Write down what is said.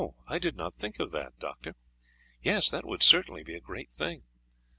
"I did not think of that, Doctor; yes, that would certainly be a great thing."